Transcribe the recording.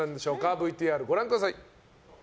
ＶＴＲご覧ください。